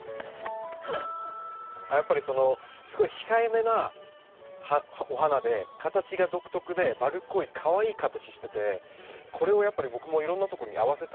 やっぱりそのすごい控えめなお花で形が独特で丸っこいかわいいい形しててこれをやっぱり僕もいろんなとこに合わせたいなと思ってて。